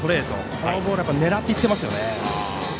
このボールは狙っていってますね。